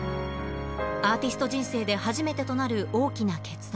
アーティスト人生で初めてとなる大きな決断。